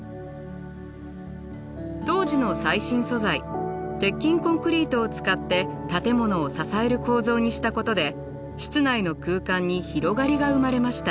当時の最新素材鉄筋コンクリートを使って建物を支える構造にしたことで室内の空間に広がりが生まれました。